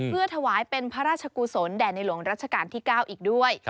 เพื่อถวายเป็นพระราชกุศลแด่ในหลวงรัชกาลที่๙อีกด้วย